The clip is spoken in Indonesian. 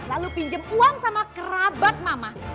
lalu pinjam uang sama kerabat mama